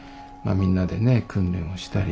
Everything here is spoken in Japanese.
みんなでね訓練をしたり。